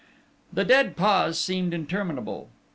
The dead pause seemed interminable....